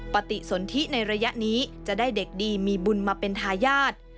ปฏิสนทิในระยะนี้จะได้เด็กดีมีบุญมาเป็นทายาท